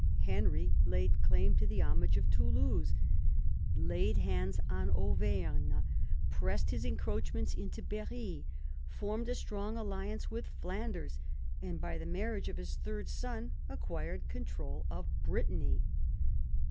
Henry laid claim to the homage of Toulouse, laid hands on Auvergne, pressed his encroachments into Berry, formed a strong alliance with Flanders, and by the marriage of his third son acquired control of Brittany.